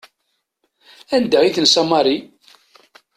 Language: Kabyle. Anda i tensa Mary?